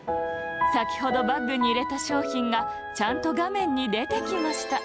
さきほどバッグにいれた商品がちゃんとがめんにでてきました。